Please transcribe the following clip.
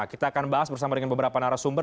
kita akan bahas bersama dengan beberapa narasumber